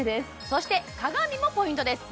そして鏡もポイントです